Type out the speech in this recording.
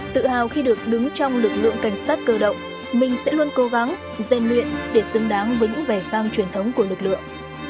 tự hào khi được đứng trong lực lượng cảnh sát cơ động mình sẽ luôn cố gắng gian luyện để xứng đáng với những vẻ vang truyền thống của lực lượng